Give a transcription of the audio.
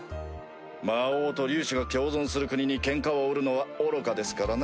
魔王と竜種が共存する国にケンカを売るのは愚かですからな。